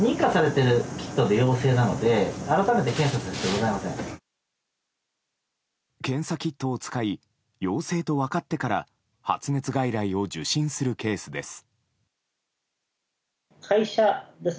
検査キットを使い陽性と分かってから発熱外来を受診するケースです。